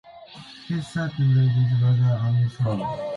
His sudden rages rather amused her.